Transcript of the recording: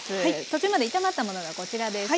途中まで炒まったものがこちらです。